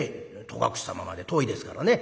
戸隠様まで遠いですからね。